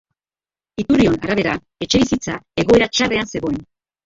Iturrion arabera, etxebizitza egoera txarrean zegoen.